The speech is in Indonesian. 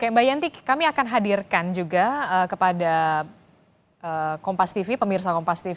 oke mbak yanti kami akan hadirkan juga kepada kompas tv pemirsa kompas tv